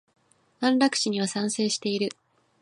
安楽死には賛成している。